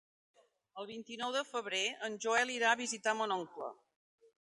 El vint-i-nou de febrer en Joel irà a visitar mon oncle.